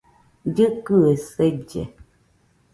Llɨkɨe selle